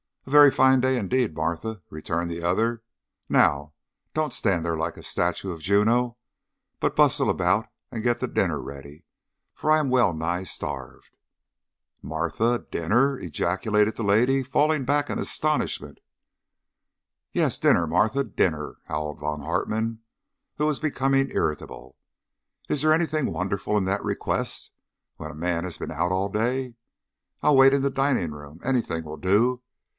"A very fine day indeed, Martha," returned the other. "Now, don't stand there like a statue of Juno, but bustle about and get the dinner ready, for I am well nigh starved." "Martha! Dinner!" ejaculated the lady, falling back in astonishment. "Yes, dinner, Martha, dinner!" howled Von Hartmann, who was becoming irritable. "Is there anything wonderful in that request when a man has been out all day? I'll wait in the dining room. Anything will do.